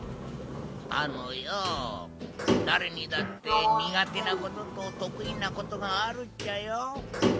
あのよだれにだってにがてなことととくいなことがあるっちゃよ。